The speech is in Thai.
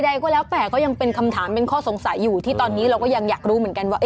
ใดก็แล้วแต่ก็ยังเป็นคำถามเป็นข้อสงสัยอยู่ที่ตอนนี้เราก็ยังอยากรู้เหมือนกันว่า